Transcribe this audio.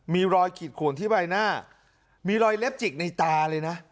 มีรอยขีดขวนที่ใบหน้ามีรอยเล็บจิกในตาเลยนะ